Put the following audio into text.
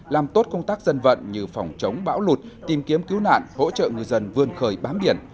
làm tốt công tác dân vận như phòng chống bão lụt tìm kiếm cứu nạn hỗ trợ ngư dân vươn khơi bám biển